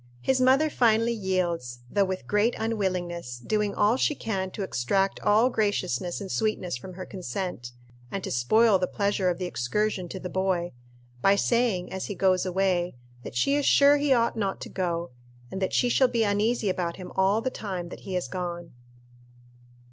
His mother finally yields, though with great unwillingness, doing all she can to extract all graciousness and sweetness from her consent, and to spoil the pleasure of the excursion to the boy, by saying as he goes away, that she is sure he ought not to go, and that she shall be uneasy about him all the time that he is gone.